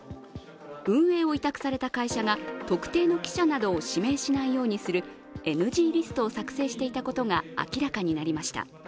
運営を委託された会社が特定の記者などを指名しないようにするＮＧリストを作成していたことが明らかになりました。